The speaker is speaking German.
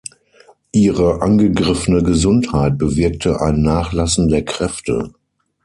Ihre angegriffene Gesundheit bewirkte ein Nachlassen der Kräfte.